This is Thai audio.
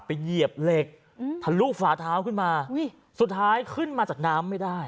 เหยียบเหล็กทะลุฝาเท้าขึ้นมาสุดท้ายขึ้นมาจากน้ำไม่ได้